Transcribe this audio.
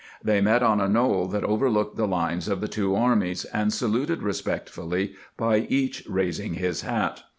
They met on a knoll that overlooked the lines of the two armies, and saluted respectfully by each raising his hat.